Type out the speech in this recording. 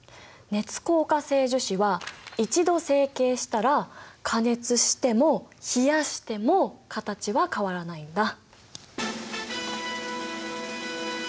熱硬化性樹脂は一度成型したら加熱しても冷やしても形は変わらないんだ。